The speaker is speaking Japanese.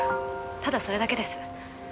ただそれだけです。